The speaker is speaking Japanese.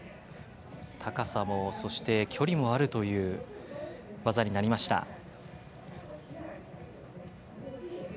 高さも距離もあるという技になりました。